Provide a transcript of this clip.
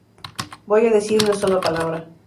Voy a decir una sola palabra:.